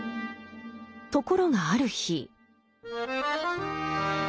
ところがある日。